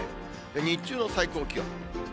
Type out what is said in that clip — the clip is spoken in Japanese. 日中の最高気温。